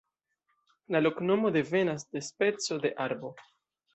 La loknomo devenas de speco de arbo.